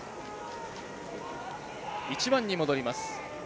１番に戻ります。